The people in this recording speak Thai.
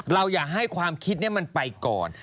อย่าให้ความคิดนี้มันไปก่อน